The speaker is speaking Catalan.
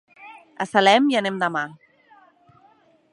A Salem hi anem demà.